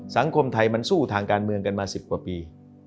สังคมไทยมันสู้ทางการเมืองกันมา๑๐กว่าปี